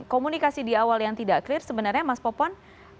komunikasi di awal yang tidak clear sebenarnya mas popon